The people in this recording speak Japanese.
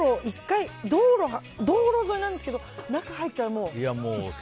道路沿いなんですけど中に入ったらもう。